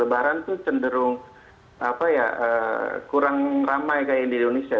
lebaran itu cenderung kurang ramai kayak di indonesia